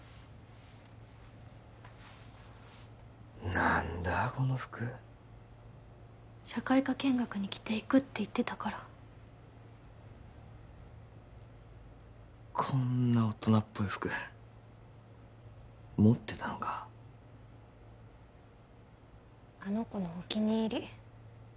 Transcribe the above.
何だこの服社会科見学に着ていくって言ってたからこんな大人っぽい服持ってたのかあの子のお気に入り